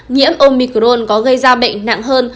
nhiễm omicron có gây ra bệnh nặng hơn